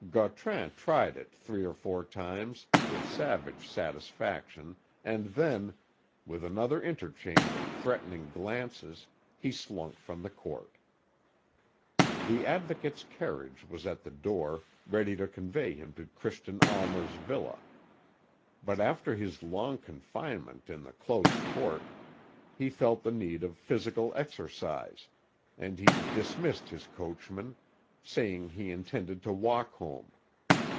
Gautran tried it three or four times with savage satisfaction and then, with another interchange of threatening glances, he slunk from the court. The Advocate's carriage was at the door, ready to convey him to Christian Almer's villa. But after his long confinement in the close court, he felt the need of physical exercise, and he dismissed his coachman, saying he intended to walk home.